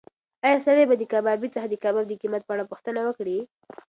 ایا سړی به د کبابي څخه د کباب د قیمت په اړه پوښتنه وکړي؟